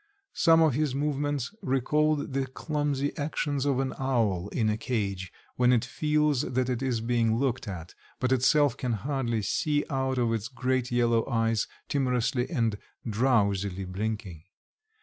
Some of his movements recalled the clumsy actions of an owl in a cage when it feels that it is being looked at, but itself can hardly see out of its great yellow eyes timorously and drowsily blinking.